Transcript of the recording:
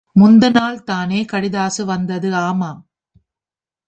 முந்தாநாள் தானே கடிதாசு வந்தது! ஆமாம்!